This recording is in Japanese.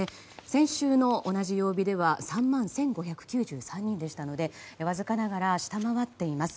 先週の同じ曜日では３万１５９３人でしたのでわずかながら下回っています。